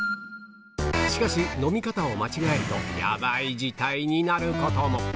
しかし、飲み方を間違えるとやばーい事態になることも。